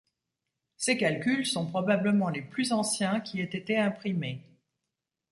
Ces calculs sont probablement les plus anciens qui aient été imprimés.